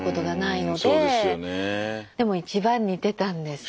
でも一番似てたんですね。